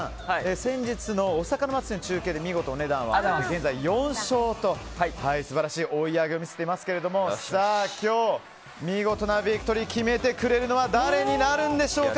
先日のお魚まつりの中継で見事お値段当てて現在、４勝と素晴らしい追い上げを見せていますが今日、見事なビクトリーを決めてくれるのは誰になるんでしょうか。